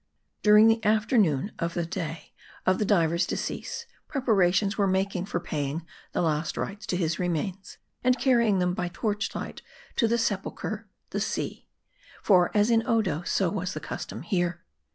DURING the afternoon of the day of the diver's decease, preparations were making for paying the last rites to his remains, and carrying them by torch light to their sepulcher, the sea ; for, as in Odo, so was the custom here.